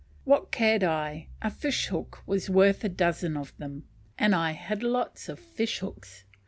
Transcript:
What cared I? A fish hook was worth a dozen of them, and I had lots of fish hooks.